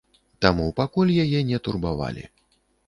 Таму пакуль яе не турбавалі.